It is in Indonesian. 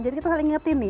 jadi kita saling ingatkan